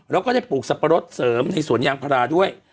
แล้วก็ได้ปลูกสับปะรดเสริมในสวนยางพาราด้วย